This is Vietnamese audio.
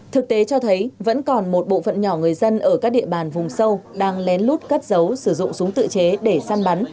thực tế cho thấy vẫn còn một bộ phận nhỏ người dân ở các địa bàn vùng sâu đang lén lút cất dấu sử dụng súng tự chế để săn bắn